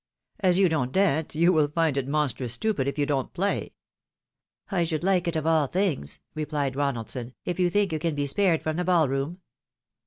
As you don't dance, you will iind it monstrous stupid if you don't play." " I should like it of all things," replied Ronaldson, "if you think you can be spared from the ball room."